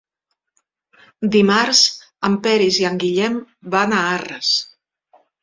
Dimarts en Peris i en Guillem van a Arres.